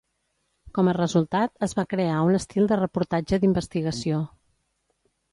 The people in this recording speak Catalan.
Com a resultat, es va crear un estil de reportatge d'investigació.